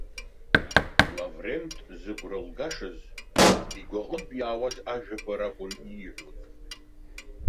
Лаврент зыгәра лгашаз, игәы аҟнытә иаауаз ажәақәа ракәын ииҳәоз.